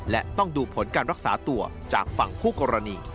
และต้องดูผลการรักษาตัวจากฝั่งคู่กรณี